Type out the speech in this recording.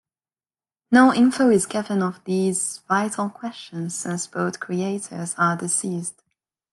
No info is given of these vital questions since both creators are deceased.